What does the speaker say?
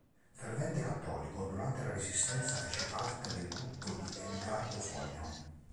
Fervente cattolico, durante la Resistenza fece parte del gruppo di Edgardo Sogno.